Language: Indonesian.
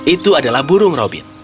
itu adalah burung robin